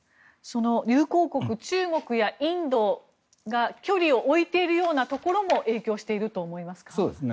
友好国、中国やインドが距離を置いているようなところも影響していると思いますか。